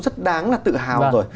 rất đáng là tự hào rồi